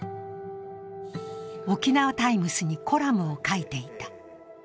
沖縄タイムスにコラムを書いていた。